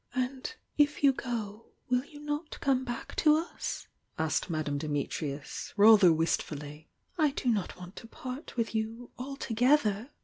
"And if you go, will you not come back to us?" aaked Madame Dimitrius. rather wistfully. "I do not want to part with you altogether!"